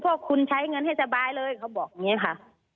พวกคุณใช้เงินให้สบายเลยเขาบอกอย่างนี้ค่ะ